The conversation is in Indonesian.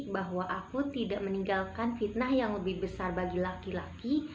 bahwa aku tidak meninggalkan fitnah yang lebih besar bagi laki laki